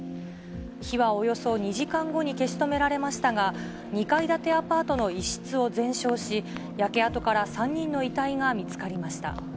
火はおよそ２時間後に消し止められましたが、２階建てアパートの１室を全焼し、焼け跡から３人の遺体が見つかりました。